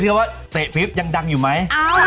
เนี่ยกว่าเตะปลิบยังดังไง